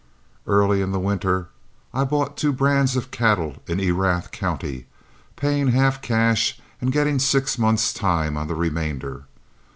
Early in the winter I bought two brands of cattle in Erath County, paying half cash and getting six months' time on the remainder.